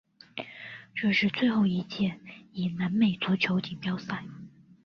这是最后一届以南美足球锦标赛。